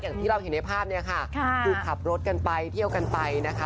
อย่างที่เราเห็นในภาพเนี่ยค่ะคือขับรถกันไปเที่ยวกันไปนะคะ